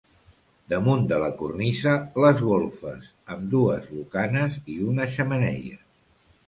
Damunt de la cornisa les golfes amb dues lucanes i una xemeneia.